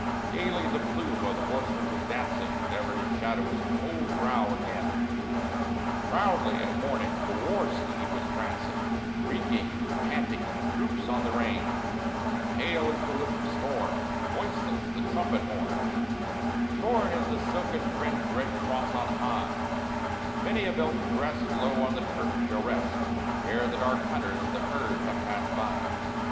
Gayly the plume of the horseman was dancing, Never to shadow his cold brow again; Proudly at morning the war steed was prancing, Reeking and panting he droops on the rein; Pale is the lip of scorn, Voiceless the trumpet horn, Torn is the silken fringed red cross on high; Many a belted breast Low on the turf shall rest Ere the dark hunters the herd have passed by.